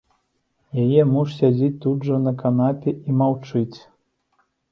Яе муж сядзіць тут жа на канапе і маўчыць.